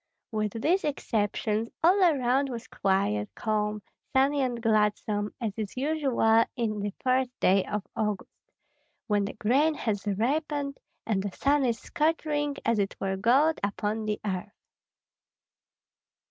With these exceptions all around was quiet, calm, sunny, and gladsome, as is usual in the first days of August, when the grain has ripened, and the sun is scattering as it were gold upon the earth.